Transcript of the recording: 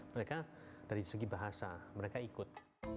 mereka dari segi bahasa mereka ikut